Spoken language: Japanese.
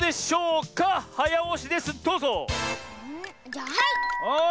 じゃあはい！